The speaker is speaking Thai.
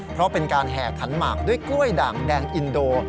เพราะเป็นการแห่ขันหมากด้วยกล้วยด่างแดงอินโด